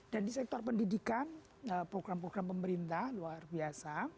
dan di sektor pendidikan program program pemerintah luar biasa